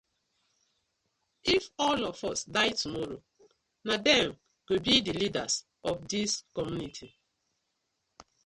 If all of us die tomorrow, na dem go bi the leaders of dis community.